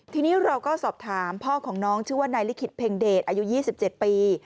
ทีนี้เราก็สอบถามพ่อของน้องชื่อว่านายลิขิตเพ็งเดชอายุ๒๗ปี